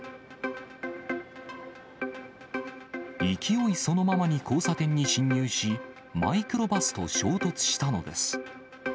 勢いそのままに交差点に進入し、マイクロバスと衝突したのです。